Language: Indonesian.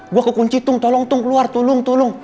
gue kekunci tung tolong tung keluar tulung tulung